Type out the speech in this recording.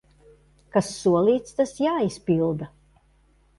Kas solīts, tas jāizpilda.